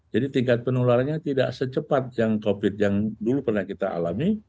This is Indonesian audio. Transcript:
jadi tingkat penularannya tidak secepat yang covid yang dulu pernah kita alami